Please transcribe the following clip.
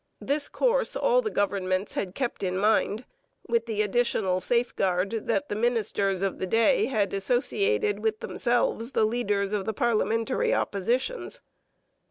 This course all the governments had kept in mind, with the additional safeguard that the ministers of the day had associated with themselves the leaders of the parliamentary oppositions.